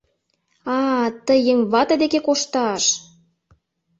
А-а, тый еҥ вате деке кошташ!